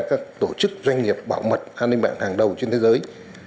các tổ chức doanh nghiệp bảo mật an ninh mạng hàng đầu trên thế giới